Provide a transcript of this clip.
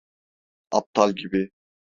Aptal gibi.